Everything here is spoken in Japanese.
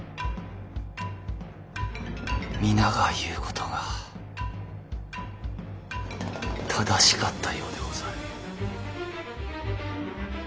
皆が言うことが正しかったようでござる。